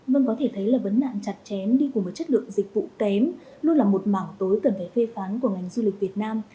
vâng có thể thấy là vấn nạn chặt chém đi cùng với chất lượng dịch vụ kém luôn là một mảng tối cần phải phê phán của ngành du lịch việt nam